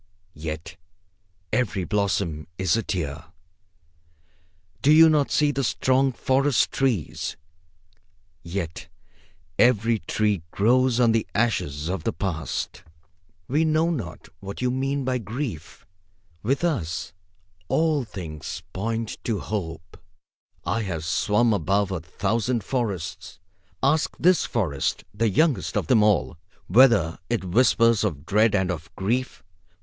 Yet every blossom is a tear. Do you not see the strong forest trees? Yet every tree grows on the ashes of the past. We know not what you mean by grief. With us, all things point to Hope. I have swum above a thousand forests. Ask this forest, the youngest of them all, whether it whispers of dread and of grief.